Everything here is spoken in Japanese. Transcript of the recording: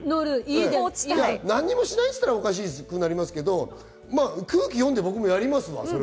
何もしないってのはおかしくなりますけど、空気読んで僕もやりますわ。